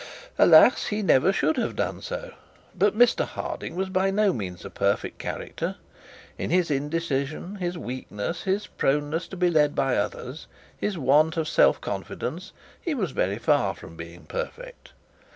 Alas! he never should have done so. But Mr Harding was by no means a perfect character. His indecision, his weakness, his proneness to be led by others, his want of self confidence, he was very far from being perfect.